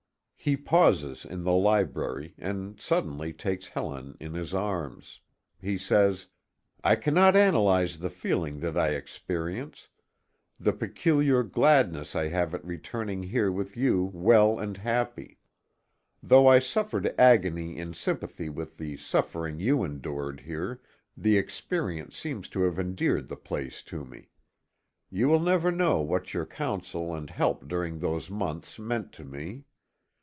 He pauses in the library, and suddenly takes Helen in his arms. He says: "I cannot analyze the feeling that I experience; the peculiar gladness I have at returning here with you well and happy. Though I suffered agony in sympathy with the suffering you endured here, the experience seems to have endeared the place to me. You will never know what your counsel and help during those months meant to me.